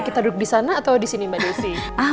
kita duduk disana atau disini mbak desy